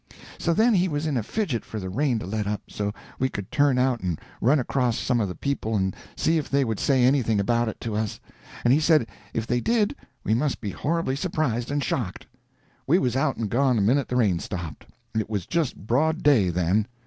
So then he was in a fidget for the rain to let up, so we could turn out and run across some of the people and see if they would say anything about it to us. And he said if they did we must be horribly surprised and shocked. We was out and gone the minute the rain stopped. It was just broad day then.